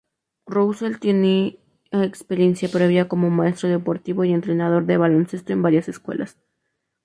Russell tenía experiencia previa como maestro deportivo y entrenador de baloncesto en varias escuelas.